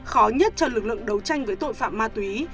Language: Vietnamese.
khó nhất cho lực lượng đấu tranh với tội phạm ma túy